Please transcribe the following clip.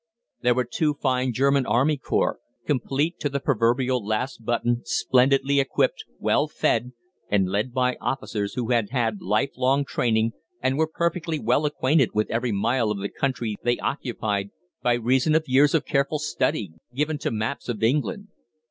These were two fine German army corps, complete to the proverbial last button, splendidly equipped, well fed, and led by officers who had had life long training and were perfectly well acquainted with every mile of the country they occupied, by reason of years of careful study given to maps of England.